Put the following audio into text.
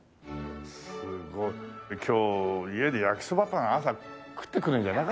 すごい。今日家で焼きそばパン朝食ってくるんじゃなかったね。